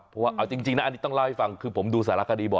เพราะว่าเอาจริงนะอันนี้ต้องเล่าให้ฟังคือผมดูสารคดีบ่อ